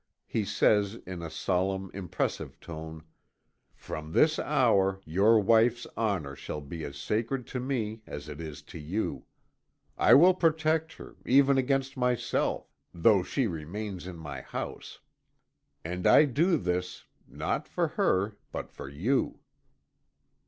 He says, in a solemn, impressive tone: "From this hour, your wife's honor shall be as sacred to me as it is to you. I will protect her, even against myself, though she remain in my house. And I do this not for her, but for you."